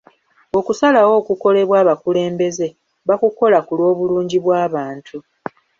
Okusalawo okukolebwa abakulembeze, bakukola ku lw'obulungi bw'abantu.